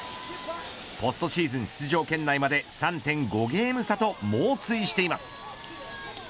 ポストシーズン出場圏内まで３．５ゲーム差と猛追しています。